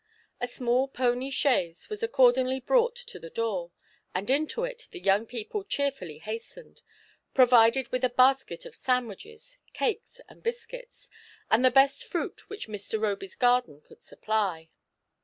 A small pony chaise was accordingly brought to the door, and into it the young people cheerfully hastened, provided with a basket of sandwiches, cakes, and bis cuits, and the best fruit which Mr. Roby's garden could supply.